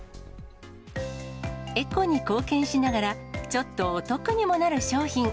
エコに貢献しながら、ちょっとお得にもなる商品。